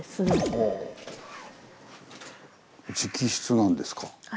ほぉ直筆なんですか？